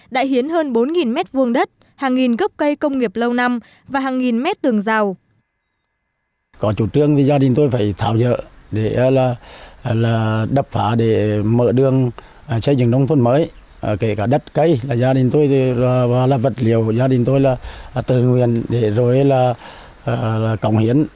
đã hiến hơn bốn mét vuông đất hàng nghìn gốc cây công nghiệp lâu năm và hàng nghìn mét tường rào